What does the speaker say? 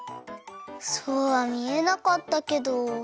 そうはみえなかったけど。